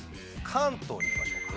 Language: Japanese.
関東いきましょうか。